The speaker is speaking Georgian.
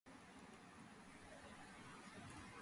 მამაკაცების ყოველდღიური აუცილებლობა იყო ქუდი.